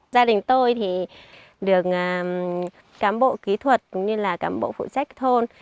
gia đình tôi thì được cán bộ kỹ thuật cũng như là cán bộ phụ trách thôn